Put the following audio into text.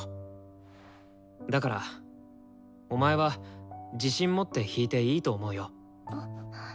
だからお前は自信持って弾いていいと思うよ。